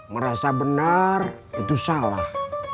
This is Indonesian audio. merasa benar itu salah